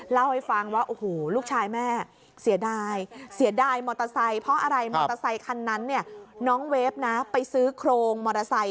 เล่าให้ฟังว่าโอ้โหลูกชายแม่เสียดายเสียดายมอเต้าไซส์เพราะอะไร